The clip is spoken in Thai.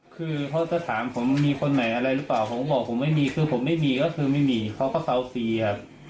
คือเขาจะถามผมมีคนใหม่อะไรหรือเปล่าผมก็บอกผมไม่มีคือผมไม่มีก็คือไม่มีเขาก็เซาฟรีครับ